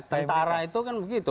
tentara itu kan begitu